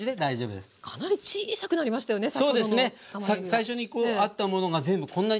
最初にこうあったものが全部こんなに小さく。